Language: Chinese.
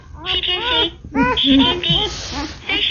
肾耳唐竹为禾本科唐竹属下的一个种。